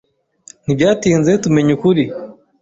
Ntibyatinze tumenya ukuri.